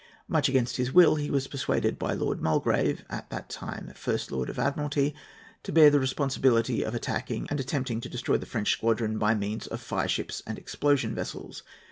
Much against his will, he was persuaded by Lord Mulgrave, at that time First Lord of the Admiralty, to bear the responsibility of attacking and attempting to destroy the French squadron by means of fireships and explosion vessels.